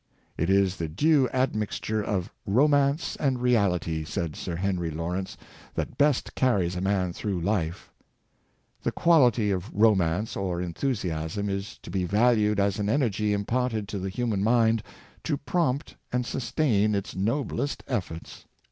"It is the due admixture of romance and reality," said Sir Henry Lawrence, " that best carries a man through life ^^The quality of romance or en thusiasm is to be valued as an energy imparted to the human mind to prompt and sustain its noblest efforts.''